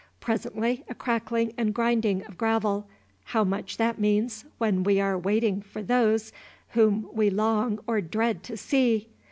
Presently a crackling and grinding of gravel; how much that means, when we are waiting for those whom we long or dread to see!